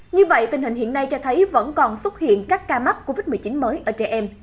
như vậy tình hình hiện nay cho thấy vẫn còn xuất hiện các ca mắc covid một mươi chín mới ở trẻ em